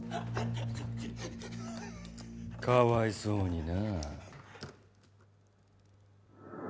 かわいそうにな。